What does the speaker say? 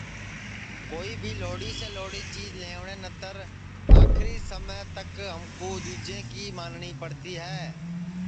کوئی بھی لہوڑی سے لہوڑی چیج لئیوٹؔے نتر آکری سما تک ہمکُو دؔوجے کی مانٹؔی پڑتی ہے